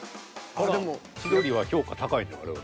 あら千鳥は評価高いね我々。